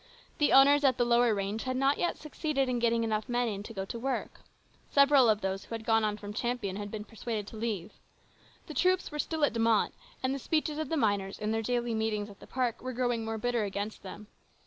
The owners at the lower range had not yet succeeded in getting enough men in to go to work. Several of those who had gone on from Champion had been persuaded to leave. The troops were still at De Mott, and the speeches of the miners in their daily meetings at the park were growing more bitter against them.